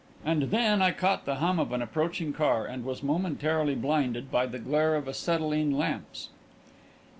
And then I caught the hum of an approaching car, and was momentarily blinded by the glare of acetylene lamps.